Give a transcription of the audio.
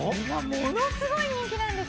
ものすごい人気なんです。